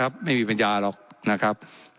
และยังเป็นประธานกรรมการอีก